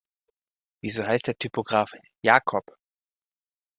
Wieso heißt der Typograf Jakob?